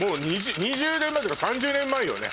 ２０年前とか３０年前よね？